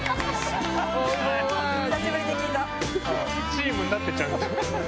チームになってちゃんと。